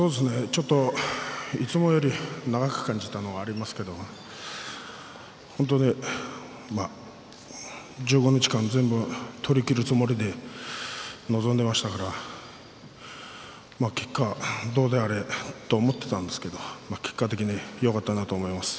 ちょっといつもより長く感じたのはありますけど本当に１５日間、全部取りきるつもりで臨んでいましたから結果がどうであれと思っていたんですけれど結果的によかったなと思います。